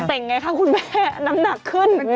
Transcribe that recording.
แต่งไงคะคุณแม่น้ำหนักขึ้น